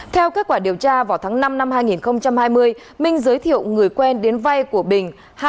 theo kết quả điều tra vào tháng năm năm hai nghìn hai mươi minh giới thiệu người quen đến vay của bình